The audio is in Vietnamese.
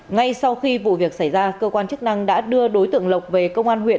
ngay sau khi vụ việc xảy ra cơ quan chức năng đã đưa đối tượng lộc về công an huyện